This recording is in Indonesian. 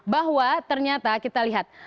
bahwa ternyata kita lihat